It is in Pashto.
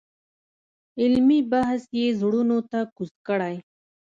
علمي بحث یې زړونو ته کوز کړی.